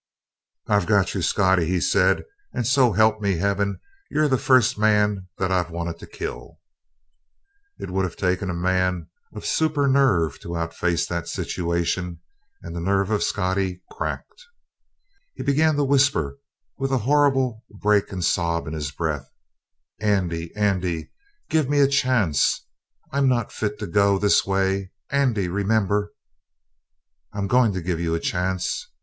"I've got you, Scottie," he said, "and so help me heaven, you're the first man that I've wanted to kill." It would have taken a man of supernerve to outface that situation. And the nerve of Scottie cracked. He began to whisper with a horrible break and sob in his breath: "Andy Andy, gimme a chance. I'm not fit to go this way. Andy, remember " "I'm going to give you a chance.